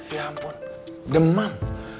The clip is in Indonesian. ya ampun demam